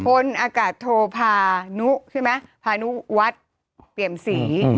พลอากาศโทพานุใช่ไหมพานุวัฒน์เปรียมศรี